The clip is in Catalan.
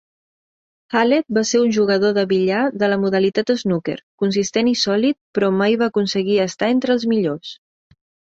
Hallett va ser un jugador de billar de la modalitat "snooker" consistent i sòlid, però mai va aconseguir estar entre els millors.